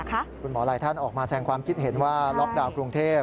คุณหมอหลายท่านออกมาแสงความคิดเห็นว่าล็อกดาวน์กรุงเทพ